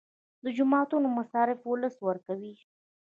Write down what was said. د جوماتونو مصارف ولس ورکوي